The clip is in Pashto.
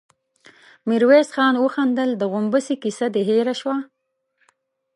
ميرويس خان وخندل: د غومبسې کيسه دې هېره شوه؟